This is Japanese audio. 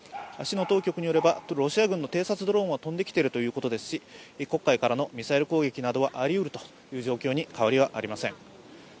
市の当局はロシア軍の偵察ドローンは飛んできているということですし黒海からのミサイル攻撃などはありうるという状況に変わりはありません。